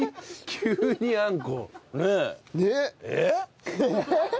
急にあんこ。ねえ。